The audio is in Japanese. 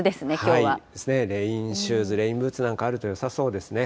レインシューズ、レインブーツなんかあるとよさそうですね。